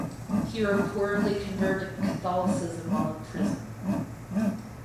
He reportedly converted to Catholicism while in prison.